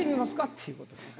っていうことです。